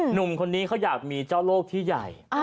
หนุ่มคนนี้เขาอยากมีเจ้าโลกที่ใหญ่